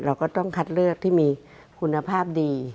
เราก็ต้องคัดเลือกที่มีคุณภาพดี